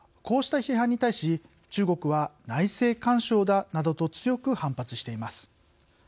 こうした批判に対し中国は内政干渉だなどと強く反発しています。